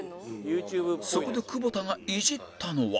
そこで久保田がイジったのは